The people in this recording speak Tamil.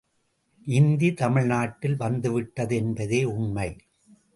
இந்தி தமிழ் நாட்டில் வந்துவிட்டது என்பதே உண்மை.